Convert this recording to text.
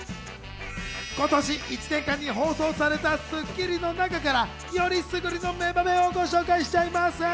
今年１年間に放送された『スッキリ』の中から選りすぐりの名場面をご紹介しちゃいます。